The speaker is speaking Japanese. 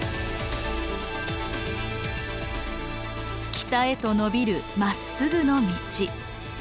北へと延びるまっすぐの道。